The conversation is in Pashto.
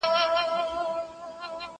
وازه خوله د مرګ راتللو ته تیار سو